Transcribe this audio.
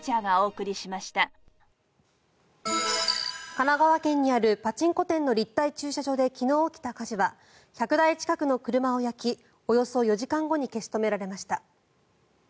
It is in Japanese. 神奈川県にあるパチンコ店の立体駐車場で昨日起きた火事は１００台近くの車を焼きおよそ４時間後に消し止められました。